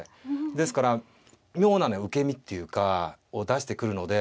ですから妙な受け身っていうかを出してくるので。